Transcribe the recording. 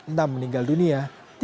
enam meninggal dunia